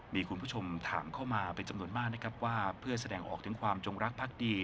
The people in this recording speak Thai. มีคุณผู้ชมถามเข้ามาเป็นจำนวนมากนะครับว่าเพื่อแสดงออกถึงความจงรักพักดี